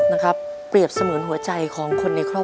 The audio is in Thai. ว่าการให้คุณเลี้ยงอยู่ด้วยคุณ